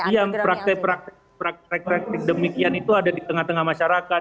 yang praktik praktik demikian itu ada di tengah tengah masyarakat